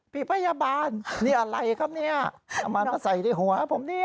พี่พยาบาลนี่อะไรครับเนี่ยเอามาใส่ที่หัวผมเนี่ย